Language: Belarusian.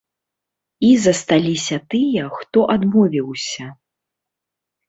І засталіся тыя, хто адмовіўся.